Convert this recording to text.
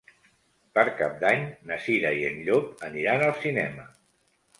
Per Cap d'Any na Cira i en Llop aniran al cinema.